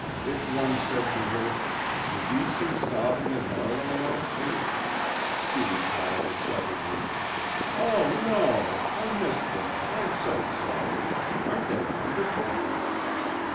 If one said to her, "Did you see Sothern and Marlowe last week?" she replied excitedly, "Oh no! I missed them! I'm so sorry! Aren't they wonderful?"